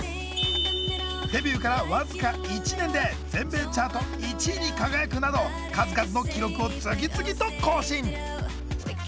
デビューから僅か１年で全米チャート１位に輝くなど数々の記録を次々と更新。